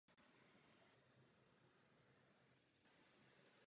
K ochraně rostlin v boji proti chorobě byly pořádány zvláštní mezinárodní sympozia.